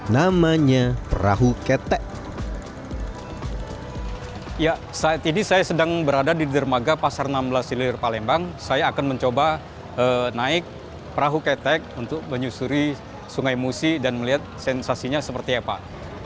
namanya perahu ketek